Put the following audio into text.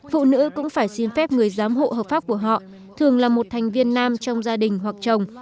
phụ nữ cũng phải xin phép người giám hộ hợp pháp của họ thường là một thành viên nam trong gia đình hoặc chồng